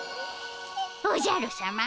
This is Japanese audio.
おじゃるさま。